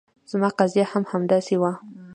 زما قضیه هم همداسې وه.